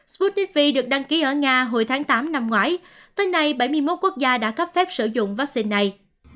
sputniffi được đăng ký ở nga hồi tháng tám năm ngoái tới nay bảy mươi một quốc gia đã cấp phép sử dụng vaccine này